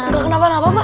gak kenapa kenapa pak